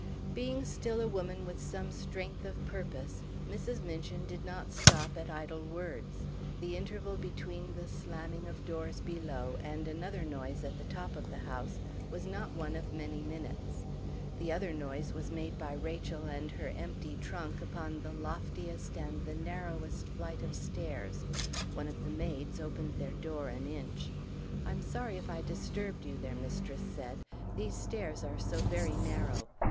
Being still a woman with some strength of purpose, Mrs. Minchin did not stop at idle words. The interval between the slamming of doors below and another noise at the top of the house was not one of many minutes. The other noise was made by Rachel and her empty trunk upon the loftiest and the narrowest flight of stairs; one of the maids opened their door an inch. "I am sorry if I disturbed you," their mistress said. "These stairs are so very narrow.